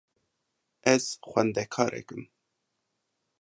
Ez xwendekarek im.